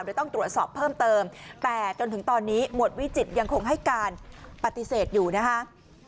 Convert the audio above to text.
เดี๋ยวต้องตรวจสอบเพิ่มเติมแต่จนถึงตอนนี้หมวดวิจิตรยังคงให้การปฏิเสธอยู่นะคะ